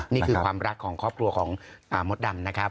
นี่คือความรักของครอบครัวของมดดำนะครับ